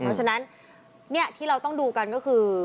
เพราะฉะนั้นที่เราต้องดูกันก็คือ